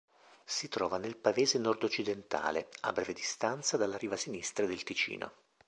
Si trova nel Pavese nordoccidentale, a breve distanza dalla riva sinistra del Ticino.